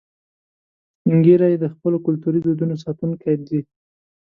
سپین ږیری د خپلو کلتوري دودونو ساتونکي دي